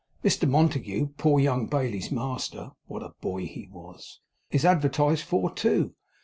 Mr Montague, poor young Bailey's master (what a boy he was!) is advertised for, too.